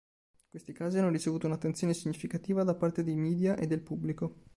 Questi casi hanno ricevuto un’attenzione significativa da parte dei media e del pubblico.